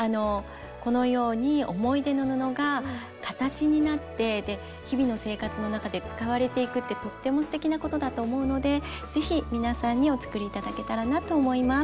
このように思い出の布が形になってで日々の生活の中で使われていくってとってもすてきなことだと思うのでぜひ皆さんにお作り頂けたらなと思います。